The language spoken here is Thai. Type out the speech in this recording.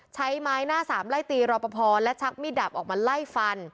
ใช้ไม้หน้าสามไล่ตีรอปภและชักมีดดาบออกมาไล่ฟัน